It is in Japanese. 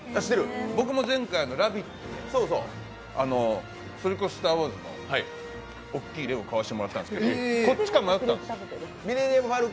僕も前回、「ラヴィット！」でそれこそ「スター・ウォーズ」の大きいレゴ買わせてもらったんでけど、こっちか迷ったんです。